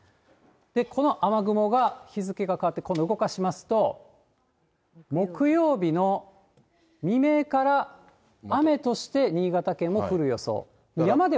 この雨雲が日付が変わって、今度動かしますと、木曜日の未明から雨として新潟県も降る予想。